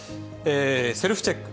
セルフチェック。